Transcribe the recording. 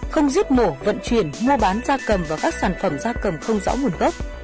không giết mổ vận chuyển mua bán gia cầm và các sản phẩm gia cầm không rõ nguồn gốc